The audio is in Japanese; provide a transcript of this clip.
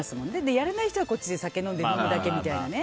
やらない人はこっちで酒飲んでるだけみたいなね。